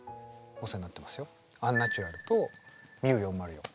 「アンナチュラル」と「ＭＩＵ４０４」。